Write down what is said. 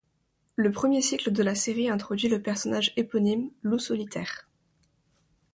Le premier cycle de la série introduit le personnage éponyme, Loup Solitaire.